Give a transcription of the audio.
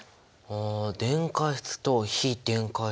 あ電解質と非電解質ね。